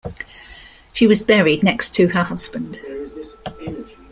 She was buried next to her husband.